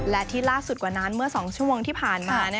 และที่ล่าสุดกว่านั้นเมื่อ๒ชั่วโมงที่ผ่านมา